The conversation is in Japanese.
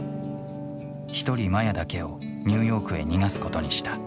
一人マヤだけをニューヨークへ逃がすことにした。